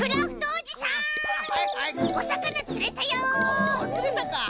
おおつれたか！